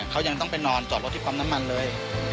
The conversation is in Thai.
เขายังต้องไปนอนจอดรถที่ปั๊มน้ำมันเลย